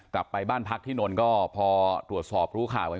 กลับไปบ้านพักที่นนท์ก็พอตรวจสอบรู้ข่าวกัน